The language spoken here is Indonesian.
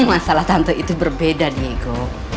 masalah tante itu berbeda diego